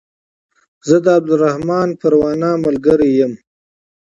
زه د عبدالرحمن پروانه ملګری يم